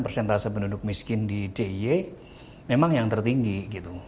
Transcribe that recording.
persentase penduduk miskin di d i y memang yang tertinggi gitu